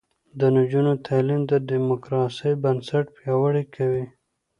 د نجونو تعلیم د دیموکراسۍ بنسټ پیاوړی کوي.